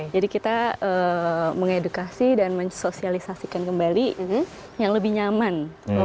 jadi kita mengedukasi dan mensosialisasikan kembali yang lebih nyaman